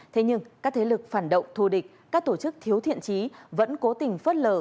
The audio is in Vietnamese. thế nhưng các thế lực phản động thù địch các tổ chức thiếu thiện trí vẫn cố tình phớt lờ